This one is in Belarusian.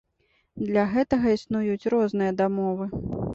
Для гэтага існуюць розныя дамовы.